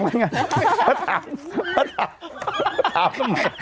ถามกันใหม่